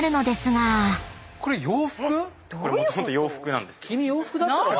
これもともと洋服なんですよ。